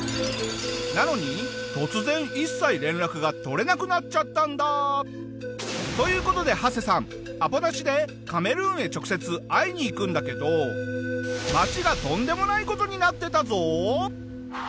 なのに突然一切連絡が取れなくなっちゃったんだ。という事でハセさんアポなしでカメルーンへ直接会いに行くんだけど街がとんでもない事になってたぞ！